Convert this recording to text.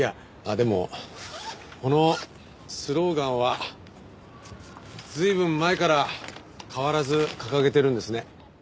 でもこのスローガンは随分前から変わらず掲げてるんですね。